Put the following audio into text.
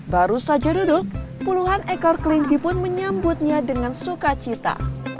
baru saja duduk puluhan ekor kelinci pun menyambutnya dengan sukacita